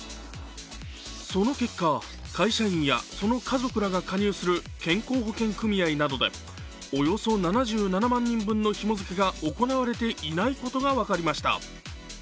その結果、会社員やその家族らが加入する健康保険組合などでおよそ７７万人分のひも付けが行われていないことが分かりました。